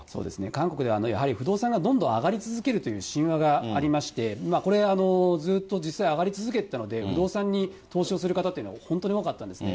韓国では、やはり不動産がどんどん上がり続けるという神話がありまして、これ、ずーっと実は上がり続けてたので、不動産に投資をする方っていうのは本当に多かったんですね。